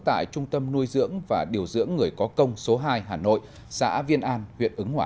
tại trung tâm nuôi dưỡng và điều dưỡng người có công số hai hà nội xã viên an huyện ứng hỏa